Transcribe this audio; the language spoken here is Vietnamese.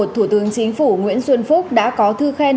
thủ tướng chính phủ nguyễn xuân phúc đã có thư khen